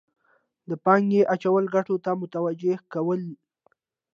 د پانګې اچولو ګټو ته متوجه کول.